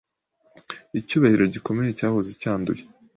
Icyubahiro gikomeye cyahoze cyanduye